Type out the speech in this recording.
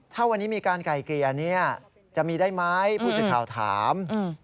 ถ้าวันนี้มีการไกลเกลียนจะมีได้มั้ยผู้สึกข่าวถาม